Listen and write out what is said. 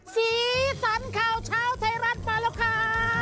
สีสันข่าวเช้าไทยรัฐมาแล้วค่ะ